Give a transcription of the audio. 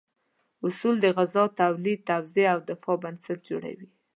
اصول د غذا تولید، توزیع او دفاع بنسټ جوړوي.